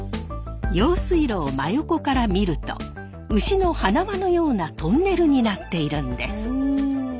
用水路を真横から見ると牛の鼻輪のようなトンネルになっているんです。